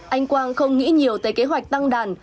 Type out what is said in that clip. anh quang không nghĩ nhiều tới kế hoạch tăng đàn